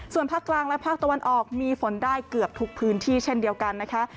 ส่วนภาคกลางและภาคตะวันออกมีฝนได้เกือบทุกพื้นที่เช่นเดียวกันนะคะ